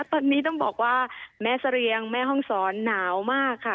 ตอนนี้ต้องบอกว่าแม่เสรียงแม่ห้องศรหนาวมากค่ะ